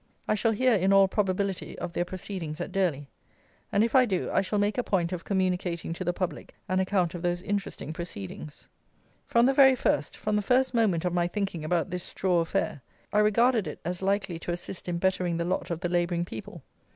I shall hear, in all probability, of their proceedings at Durley, and if I do, I shall make a point of communicating to the Public an account of those interesting proceedings. From the very first, from the first moment of my thinking about this straw affair, I regarded it as likely to assist in bettering the lot of the labouring people.